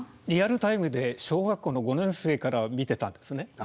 リアルタイムで小学校の５年生から見てたんですね。